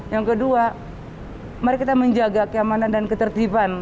yang kedua mari kita menjaga keamanan dan ketertiban